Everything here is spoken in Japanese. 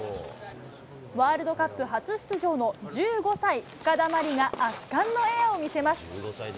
ワールドカップ初出場の１５歳、深田茉莉が圧巻のエアを見せます。